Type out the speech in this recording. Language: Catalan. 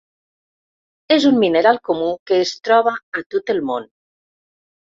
És un mineral comú, que es troba a tot el món.